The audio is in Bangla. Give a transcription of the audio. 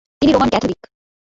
তিনি রোমান ক্যাথলিক।